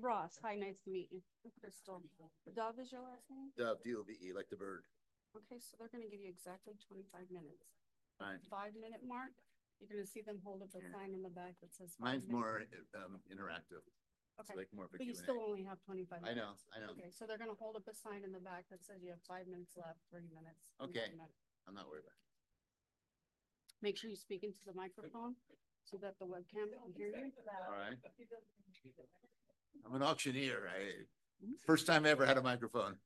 Ross. Hi. Nice to meet you. I'm Crystal. Dove is your last name? Dove, D-O-V-E, like the bird. Okay. They are going to give you exactly 25 minutes. Fine. Five-minute mark. You're going to see them hold up a sign in the back that says. Mine's more interactive. Okay. They can more efficiently. You still only have 25 minutes. I know. I know. Okay. They're going to hold up a sign in the back that says you have five minutes left, three minutes, four minutes. Okay. I'm not worried about it. Make sure you're speaking to the microphone so that the webcam can hear you. All right. I'm an auctioneer. First time ever I had a microphone.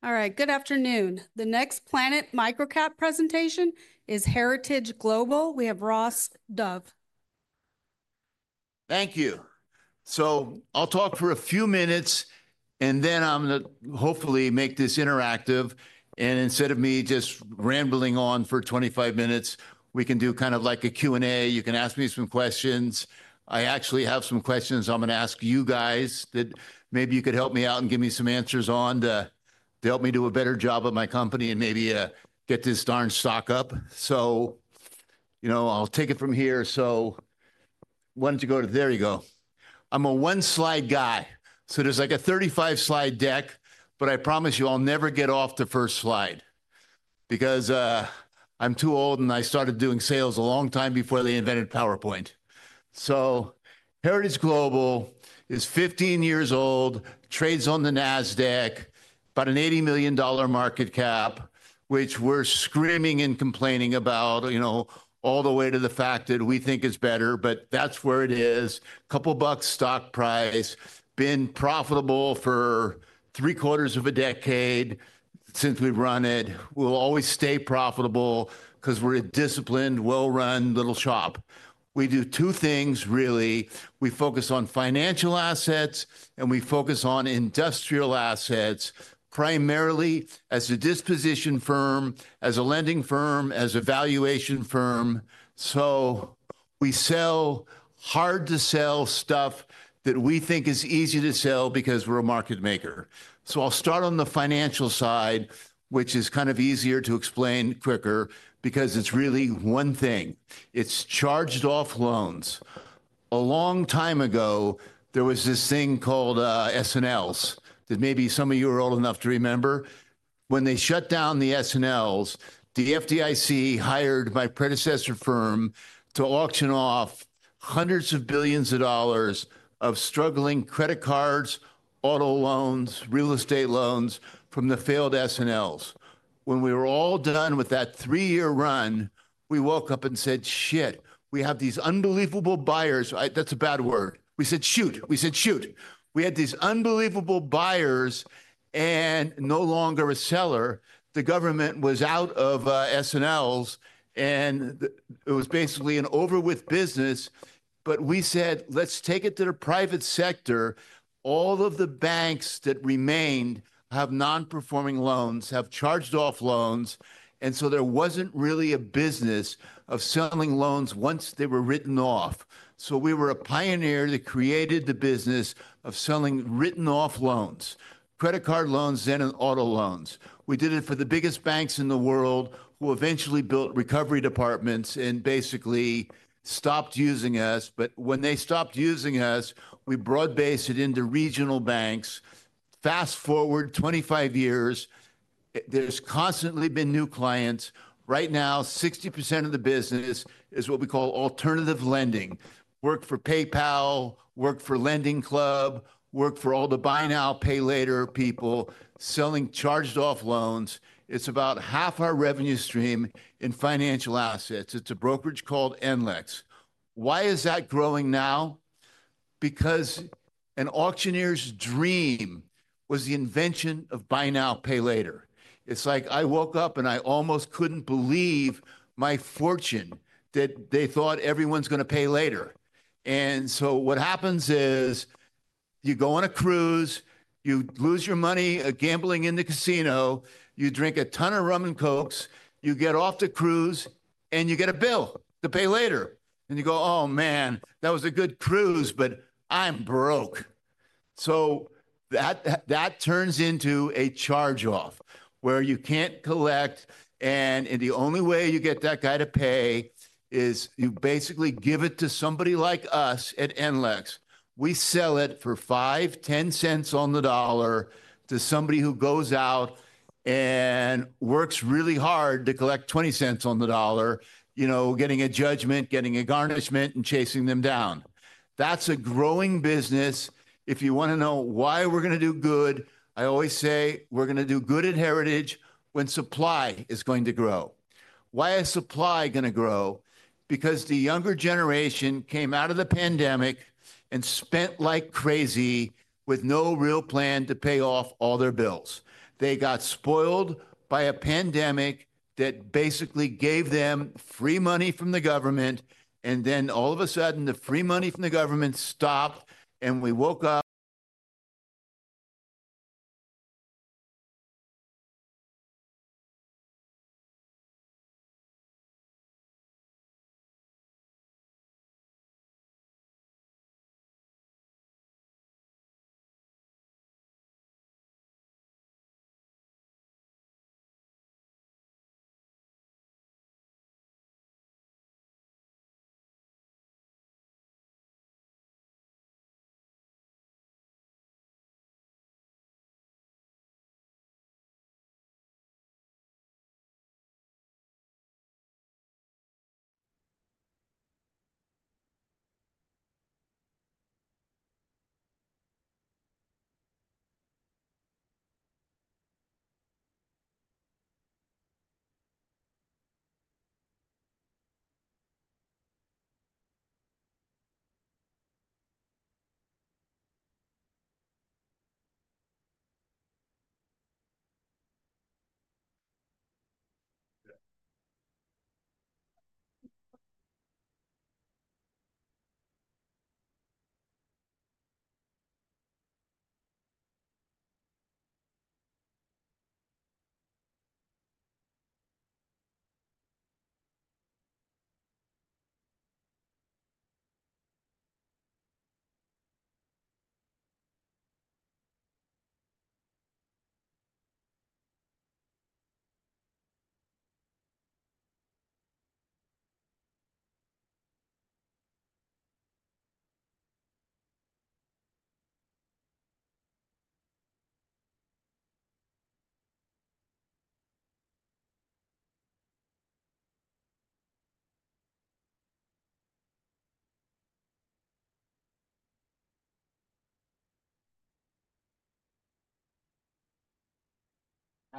All right. Good afternoon. The next Planet MicroCap presentation is Heritage Global. We have Ross Dove. Thank you. I'll talk for a few minutes, and then I'm going to hopefully make this interactive. Instead of me just rambling on for 25 minutes, we can do kind of like a Q&A. You can ask me some questions. I actually have some questions I'm going to ask you guys that maybe you could help me out and give me some answers on to help me do a better job at my company and maybe get this darn stock up. I'll take it from here. I wanted to go to—there you go. I'm a one-slide guy. There's like a 35-slide deck, but I promise you I'll never get off the first slide because I'm too old and I started doing sales a long time before they invented PowerPoint. Heritage Global is 15 years old, trades on the Nasdaq, about an $80 million market cap, which we're screaming and complaining about all the way to the fact that we think it's better, but that's where it is. Couple bucks stock price, been profitable for three-quarters of a decade since we've run it. We'll always stay profitable because we're a disciplined, well-run little shop. We do two things, really. We focus on financial assets and we focus on industrial assets, primarily as a disposition firm, as a lending firm, as a valuation firm. We sell hard-to-sell stuff that we think is easy to sell because we're a market maker. I'll start on the financial side, which is kind of easier to explain quicker because it's really one thing. It's charged-off loans. A long time ago, there was this thing called S&Ls that maybe some of you are old enough to remember. When they shut down the S&Ls, the FDIC hired my predecessor firm to auction off hundreds of billions of dollars of struggling credit cards, auto loans, real estate loans from the failed S&Ls. When we were all done with that three-year run, we woke up and said, "Shit. We have these unbelievable buyers." That's a bad word. We said, "Shoot." We said, "Shoot." We had these unbelievable buyers and no longer a seller. The government was out of S&Ls and it was basically an over with business. We said, "Let's take it to the private sector." All of the banks that remained have non-performing loans, have charged-off loans. There wasn't really a business of selling loans once they were written off. We were a pioneer that created the business of selling written-off loans, credit card loans, and auto loans. We did it for the biggest banks in the world who eventually built recovery departments and basically stopped using us. When they stopped using us, we broad-based it into regional banks. Fast forward 25 years, there's constantly been new clients. Right now, 60% of the business is what we call alternative lending. Worked for PayPal, worked for LendingClub, worked for all the buy now, pay later people selling charged-off loans. It's about half our revenue stream in financial assets. It's a brokerage called NLEX.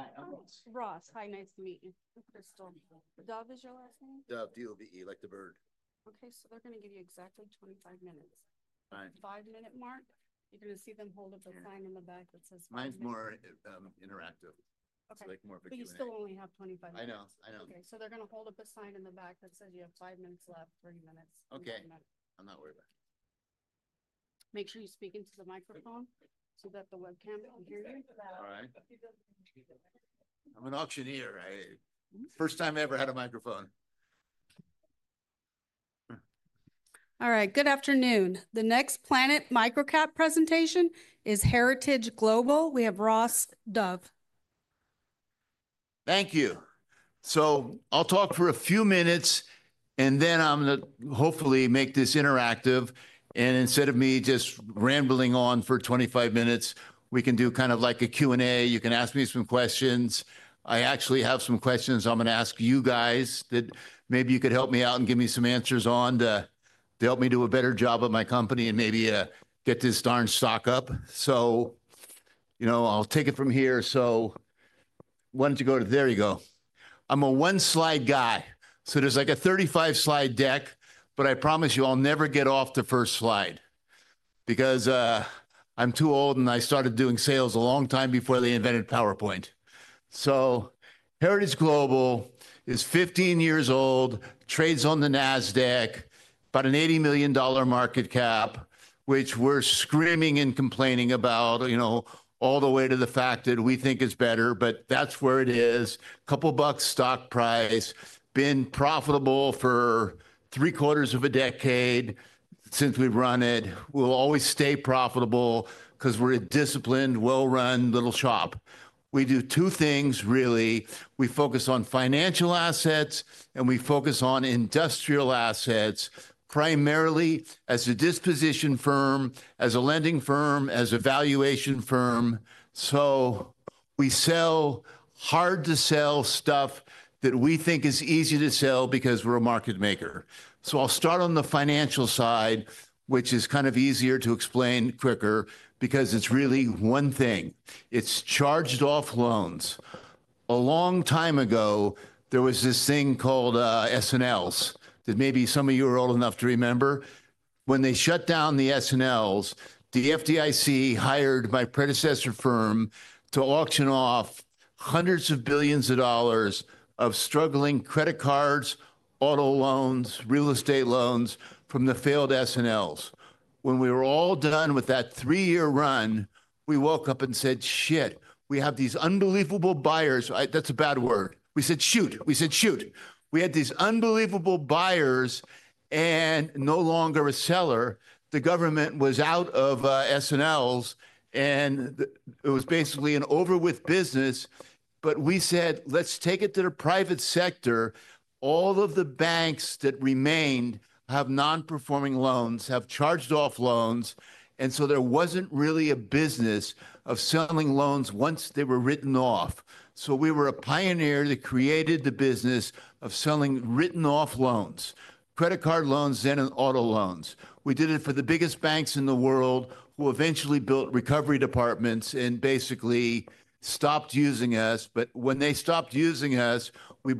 Why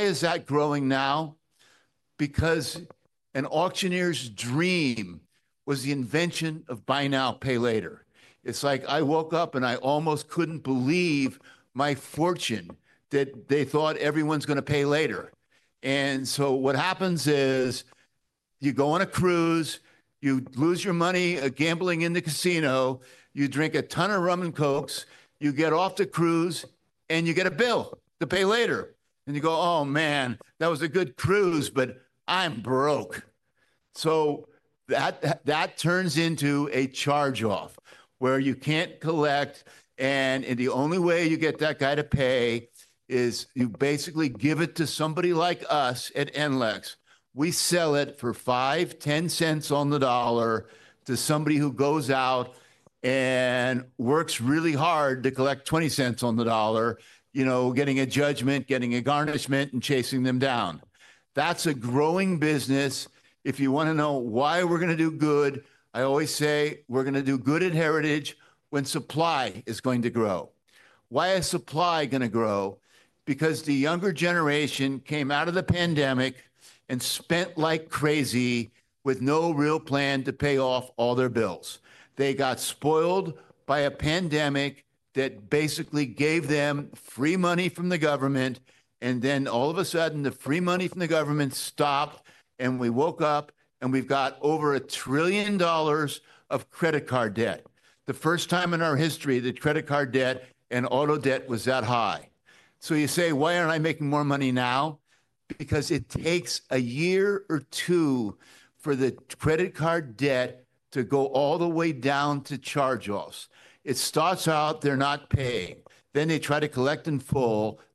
is that growing now? Because an auctioneer's dream was the invention of buy now, pay later. It's like I woke up and I almost couldn't believe my fortune that they thought everyone's going to pay later. What happens is you go on a cruise, you lose your money gambling in the casino, you drink a ton of rum and Cokes, you get off the cruise, and you get a bill to pay later. You go, "Oh, man, that was a good cruise, but I'm broke." That turns into a charge-off where you can't collect. The only way you get that guy to pay is you basically give it to somebody like us at NLEX. We sell it for $0.05, $0.10 on the dollar to somebody who goes out and works really hard to collect $0.20 on the dollar, getting a judgment, getting a garnishment, and chasing them down. That's a growing business. If you want to know why we're going to do good, I always say we're going to do good at Heritage when supply is going to grow. Why is supply going to grow? Because the younger generation came out of the pandemic and spent like crazy with no real plan to pay off all their bills. They got spoiled by a pandemic that basically gave them free money from the government. All of a sudden, the free money from the government stopped and we woke up. Hi. I'm Ross. Ross. Hi. Nice to meet you. I'm Crystal. Dove is your last name? Dove, D-O-V-E, like the bird. Okay. They are going to give you exactly 25 minutes. Fine. Five-minute mark. You're going to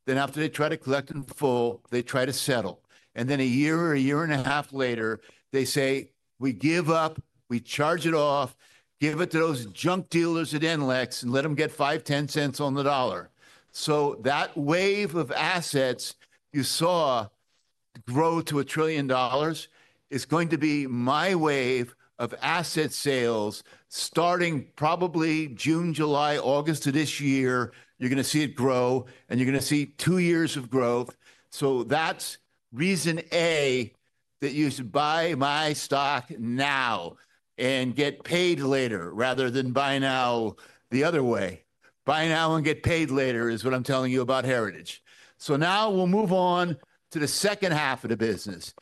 After they try to collect in full, they try to settle. A year or a year and a half later, they say, "We give up. We charge it off. Give it to those junk dealers at NLEX and let them get $0.05, $0.10 on the dollar." That wave of assets you saw grow to a trillion dollars is going to be my wave of asset sales starting probably June, July, August of this year. You are going to see it grow and you are going to see two years of growth. That is reason A that you should buy my stock now and get paid later rather than buy now the other way. Buy now and get paid later is what I am telling you about Heritage. Now we will move on to the second half of the business.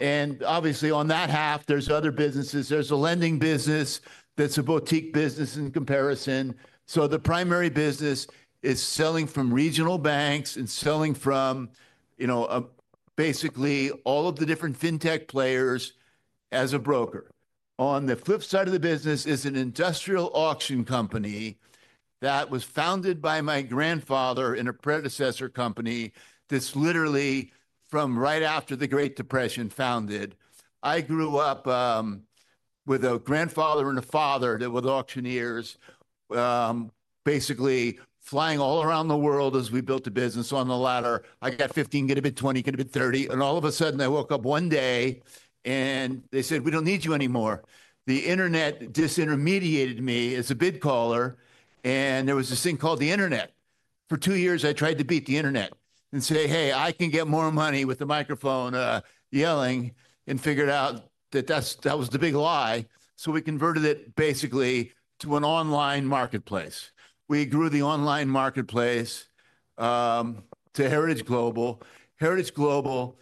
Obviously on that half, there are other businesses. There is a lending business that is a boutique business in comparison. The primary business is selling from regional banks and selling from basically all of the different fintech players as a broker. On the flip side of the business is an industrial auction company that was founded by my grandfather and a predecessor company that's literally from right after the Great Depression founded. I grew up with a grandfather and a father that were auctioneers, basically flying all around the world as we built a business on the ladder. I got 15, could have been 20, could have been 30. All of a sudden, I woke up one day and they said, "We don't need you anymore." The internet disintermediated me as a bid caller. There was this thing called the internet. For two years, I tried to beat the internet and say, "Hey, I can get more money with the microphone yelling," and figured out that that was the big lie. We converted it basically to an online marketplace. We grew the online marketplace to Heritage Global. Heritage Global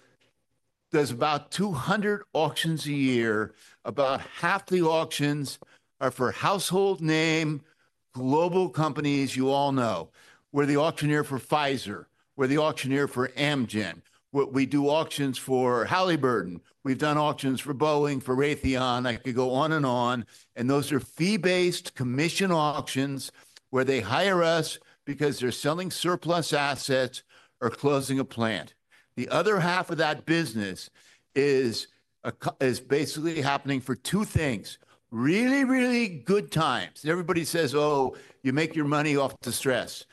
does about 200 auctions a year. About half the auctions are for household name global companies you all know. We're the auctioneer for Pfizer. We're the auctioneer for Amgen. We do auctions for Halliburton. We've done auctions for Boeing, for Raytheon. I could go on and on. Those are fee-based commission auctions where they hire us because they're selling surplus assets or closing a plant. The other half of that business is basically happening for two things: really, really good times. Everybody says, "Oh, you make your money off the stress."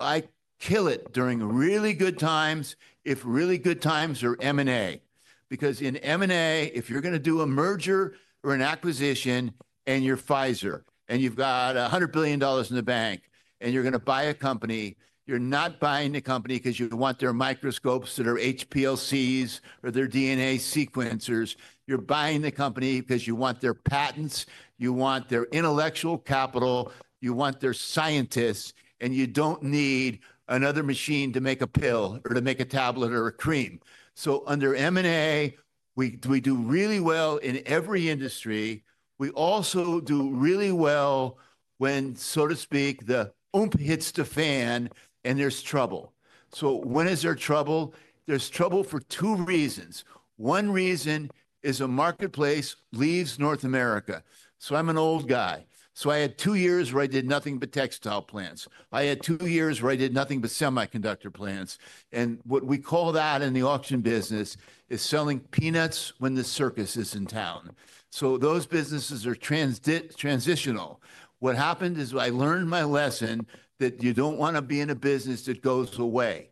I kill it during really good times if really good times are M&A. Because in M&A, if you're going to do a merger or an acquisition and you're Pfizer and you've got $100 billion in the bank and you're going to buy a company, you're not buying the company because you want their microscopes that are HPLCs or their DNA sequencers. You're buying the company because you want their patents, you want their intellectual capital, you want their scientists, and you don't need another machine to make a pill or to make a tablet or a cream. Under M&A, we do really well in every industry. We also do really well when, so to speak, the oomph hits the fan and there's trouble. When is there trouble? There's trouble for two reasons. One reason is a marketplace leaves North America. I'm an old guy. I had two years where I did nothing but textile plants. I had two years where I did nothing but semiconductor plants. What we call that in the auction business is selling peanuts when the circus is in town. Those businesses are transitional. What happened is I learned my lesson that you don't want to be in a business that goes away.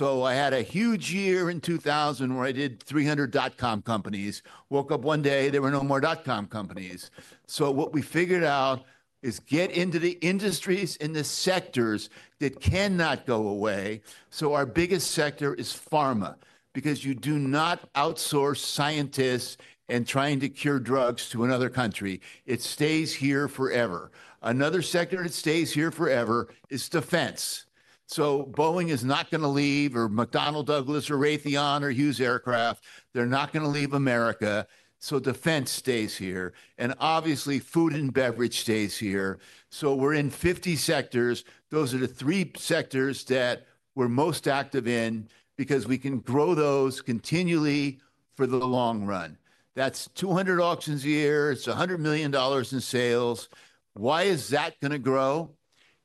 I had a huge year in 2000 where I did 300 dot-com companies. Woke up one day, there were no more dot-com companies. What we figured out is get into the industries and the sectors that cannot go away. Our biggest sector is pharma because you do not outsource scientists and trying to cure drugs to another country. It stays here forever. Another sector that stays here forever is defense. Boeing is not going to leave or McDonnell Douglas or Raytheon or Hughes Aircraft. They're not going to leave America. Defense stays here. Obviously, food and beverage stays here. We're in 50 sectors. Those are the three sectors that we're most active in because we can grow those continually for the long run. That's 200 auctions a year. It's $100 million in sales. Why is that going to grow?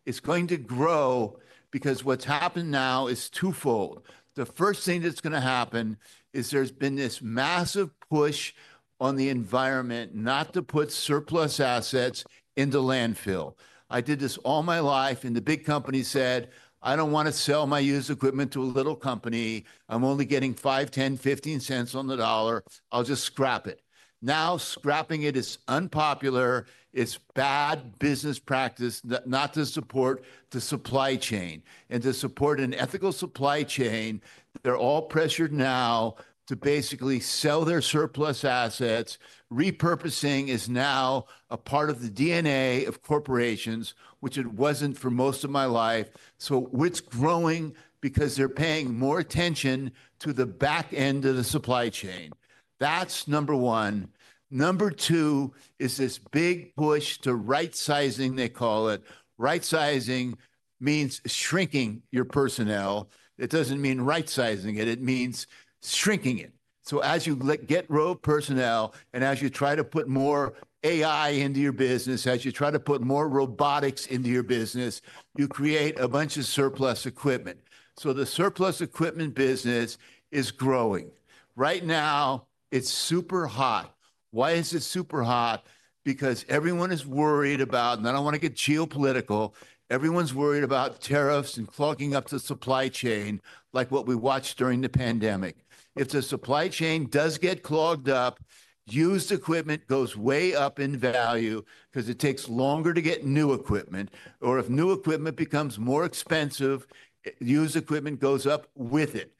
It's going to grow because what's happened now is twofold. The first thing that's going to happen is there's been this massive push on the environment not to put surplus assets into landfill. I did this all my life, and the big company said, "I don't want to sell my used equipment to a little company. I'm only getting $0.05, $0.10, $0.15 on the dollar. I'll just scrap it." Now scrapping it is unpopular. It's bad business practice, not to support the supply chain. And to support an ethical supply chain, they're all pressured now to basically sell their surplus assets. Repurposing is now a part of the DNA of corporations, which it wasn't for most of my life. It's growing because they're paying more attention to the back end of the supply chain. That's number one. Number two is this big push to right-sizing, they call it. Right-sizing means shrinking your personnel. It doesn't mean right-sizing it. It means shrinking it. As you get row personnel and as you try to put more AI into your business, as you try to put more robotics into your business, you create a bunch of surplus equipment. The surplus equipment business is growing. Right now, it's super hot. Why is it super hot? Because everyone is worried about, and I don't want to get geopolitical, everyone's worried about tariffs and clogging up the supply chain like what we watched during the pandemic. If the supply chain does get clogged up, used equipment goes way up in value because it takes longer to get new equipment. Or if new equipment becomes more expensive, used equipment goes up with it.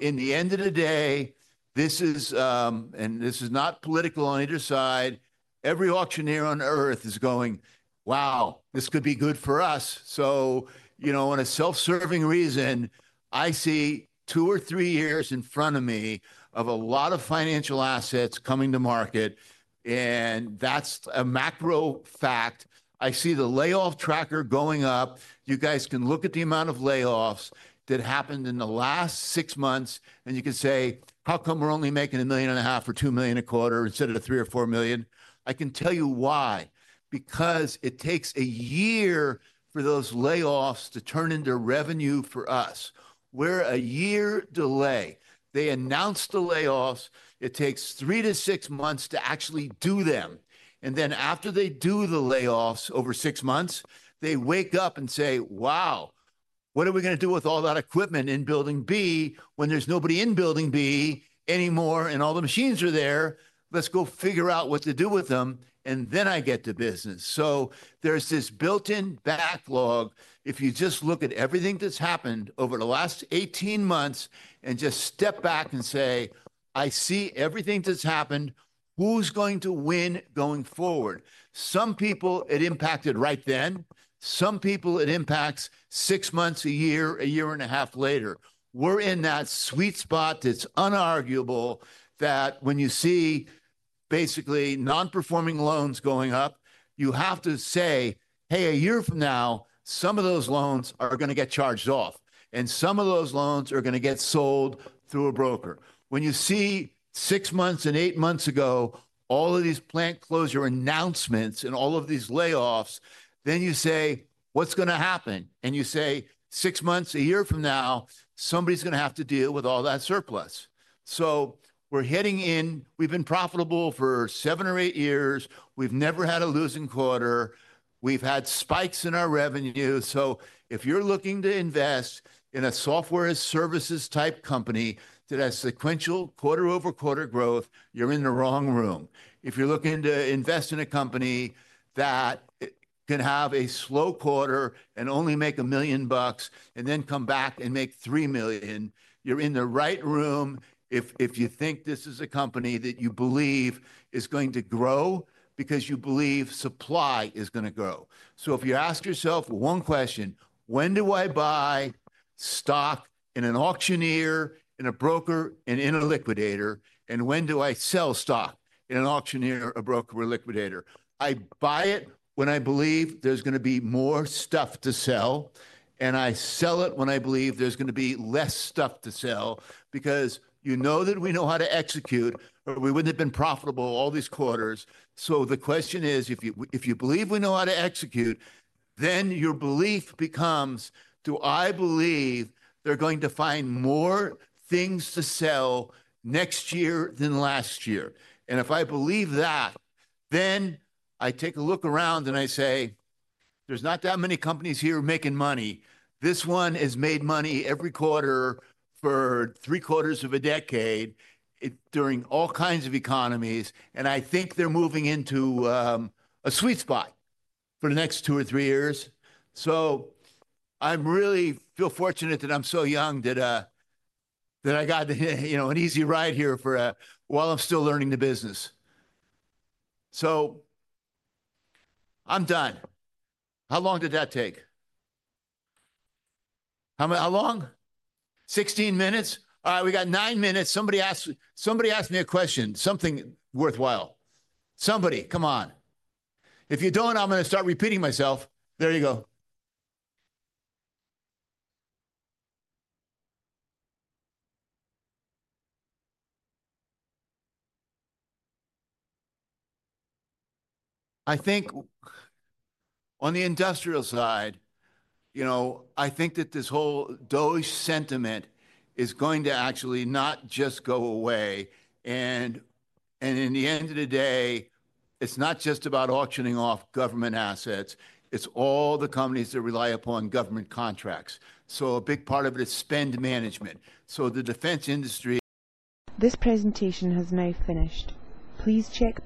In the end of the day, this is, and this is not political on either side, every auctioneer on Earth is going, "Wow, this could be good for us." On a self-serving reason, I see two or three years in front of me of a lot of financial assets coming to market. That's a macro fact. I see the layoff tracker going up. You guys can look at the amount of layoffs that happened in the last six months, and you can say, "How come we're only making $1,500,000 or $2,250,000 instead of $3,000,000 or $4,000,000?" I can tell you why. Because it takes a year for those layoffs to turn into revenue for us. We're a year delay. They announced the layoffs. It takes three to six months to actually do them. After they do the layoffs over six months, they wake up and say, "Wow, what are we going to do with all that equipment in building B when there's nobody in building B anymore and all the machines are there? Let's go figure out what to do with them, and then I get to business." There is this built-in backlog. If you just look at everything that's happened over the last 18 months and just step back and say, "I see everything that's happened. Who's going to win going forward?" Some people, it impacted right then. Some people, it impacts six months, a year, a year and a half later. We're in that sweet spot that's unarguable that when you see basically non-performing loans going up, you have to say, "Hey, a year from now, some of those loans are going to get charged off, and some of those loans are going to get sold through a broker." When you see six months and eight months ago, all of these plant closure announcements and all of these layoffs, you say, "What's going to happen?" You say, "Six months, a year from now, somebody's going to have to deal with all that surplus." We are heading in. We've been profitable for seven or eight years. We've never had a losing quarter. We've had spikes in our revenue. If you're looking to invest in a software services type company that has sequential quarter-over-quarter growth, you're in the wrong room. If you're looking to invest in a company that can have a slow quarter and only make $1 million and then come back and make $3 million, you're in the right room if you think this is a company that you believe is going to grow because you believe supply is going to grow. If you ask yourself one question, "When do I buy stock in an auctioneer, in a broker, and in a liquidator? When do I sell stock in an auctioneer, a broker, or a liquidator?" I buy it when I believe there's going to be more stuff to sell, and I sell it when I believe there's going to be less stuff to sell because you know that we know how to execute or we wouldn't have been profitable all these quarters. The question is, if you believe we know how to execute, then your belief becomes, do I believe they're going to find more things to sell next year than last year? If I believe that, then I take a look around and I say, there's not that many companies here making money. This one has made money every quarter for three quarters of a decade during all kinds of economies, and I think they're moving into a sweet spot for the next two or three years. I really feel fortunate that I'm so young that I got an easy ride here while I'm still learning the business. I'm done. How long did that take? How long? 16 minutes? All right, we got nine minutes. Somebody ask me a question, something worthwhile. Somebody, come on. If you don't, I'm going to start repeating myself. There you go. I think on the industrial side, I think that this whole sentiment is going to actually not just go away. In the end of the day, it's not just about auctioning off government assets. It's all the companies that rely upon government contracts. A big part of it is spend management. So the defense industry. This presentation has now finished. Please check.